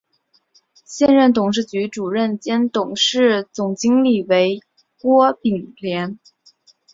现任董事局主席兼董事总经理为郭炳联。